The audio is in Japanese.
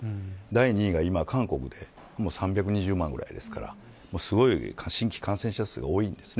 第２位が韓国で３２０万人ぐらいですから新規感染者数が多いんです。